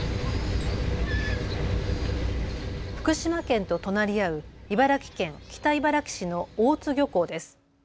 福島県と隣り合う茨城県北茨城市の大津漁港です。